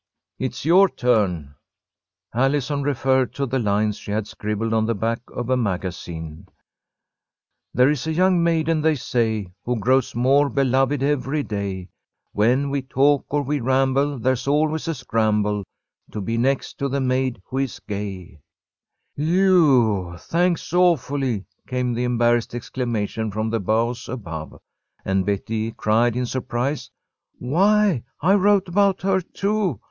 "It's your turn." Allison referred to the lines she had scribbled on the back of a magazine: "There is a young maiden, they say, Who grows more beloved every day. When we talk or we ramble, there's always a scramble To be next to the maid who is Gay." "Whew! Thanks awfully!" came the embarrassed exclamation from the boughs above, and Betty cried, in surprise: "Why, I wrote about her, too.